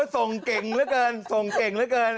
ส่งเก่งเหลือเกินส่งเก่งเหลือเกิน